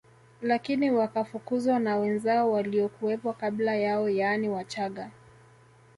Lakini wakafukuzwa na wenzao waliokuwepo kabla yao yaani Wachaga